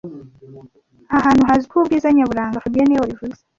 Aha hantu hazwiho ubwiza nyaburanga fabien niwe wabivuze